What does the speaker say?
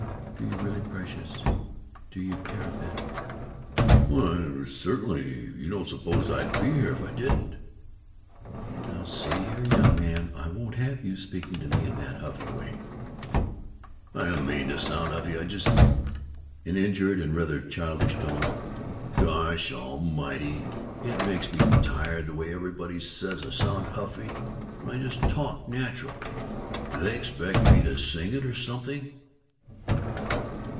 "Do you really, precious? Do you care a bit?" "Why certainly! You don't suppose I'd be here if I didn't!" "Now see here, young man, I won't have you speaking to me in that huffy way!" "I didn't mean to sound huffy. I just " In injured and rather childish tones: "Gosh almighty, it makes me tired the way everybody says I sound huffy when I just talk natural! Do they expect me to sing it or something?"